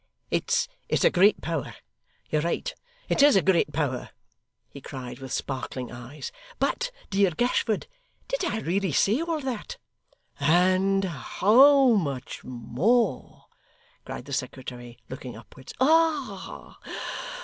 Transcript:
'It's a great power. You're right. It is a great power!' he cried with sparkling eyes. 'But dear Gashford did I really say all that?' 'And how much more!' cried the secretary, looking upwards. 'Ah!